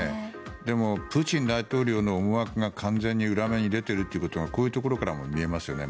でも、プーチン大統領の思惑が完全に裏目に出てるということがこういうところからも見えますよね。